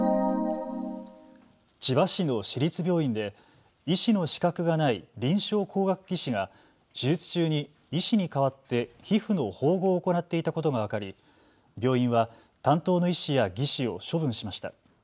千葉市の市立病院で医師の資格がない臨床工学技士が手術中に医師に代わって皮膚の縫合を行っていたことが分かり病院は担当の医師や技士を処分しました。